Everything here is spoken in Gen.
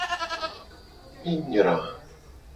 Mi nyra.